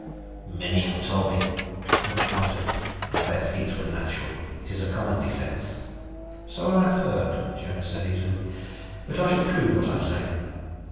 "Many have told me," Knupf muttered, "that their feats were natural. It is a common defense." "So I have heard," Jonas said easily. "But I shall prove what I say."